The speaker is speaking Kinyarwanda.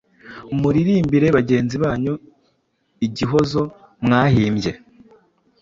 Muririmbire bagenzi banyu igihozo mwahimbye.